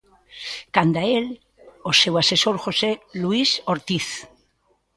Canda el o seu asesor José Luís Ortiz.